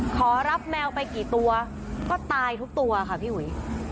ขอรับแมวไปกี่ตัวก็ตายทุกตัวค่ะพี่อุ๋ย